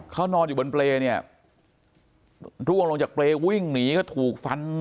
เขานอนอยู่บนเปรย์เนี่ยร่วงลงจากเปรย์วิ่งหนีก็ถูกฟัน